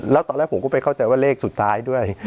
แล้วตอนแรกผมก็ไปเข้าใจว่าเลขสุดท้ายด้วย